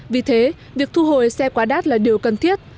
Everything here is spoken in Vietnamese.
vì thế việc thu hồi xe quá đắt là điều cần thiết